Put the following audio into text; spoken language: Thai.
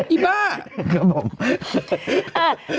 อีบ้าครับผม